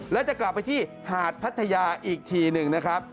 แล้วจะกลับไปที่หาดพัทยาอีกทีหนึ่งนะครับ